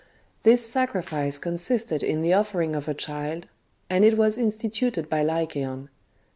This sacrifice consisted in the offering of a child, and it was instituted by Lycaon.